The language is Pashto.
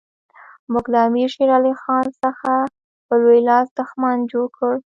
موږ له امیر شېر علي خان څخه په لوی لاس دښمن جوړ کړ.